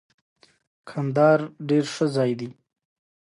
هیڅ چا د مرئیتوب نظام د ګواښ فکر نه کاوه.